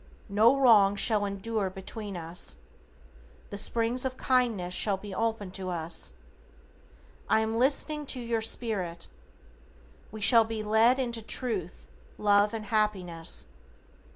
No wrong shall endure between us. The springs of kindness shall be open to us. I am listening to your spirit. We shall be led into Truth, Love and Happiness.